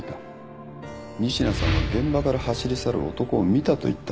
仁科さんは現場から走り去る男を見たと言った。